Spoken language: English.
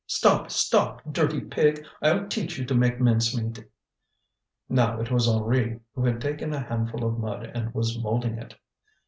"Stop, stop, dirty pig! I'll teach you to make mincemeat." Now it was Henri, who had taken a handful of mud and was moulding it.